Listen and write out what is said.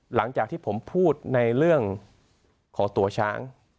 หลังจากที่ผมพูดในเรื่องของตัวช้าง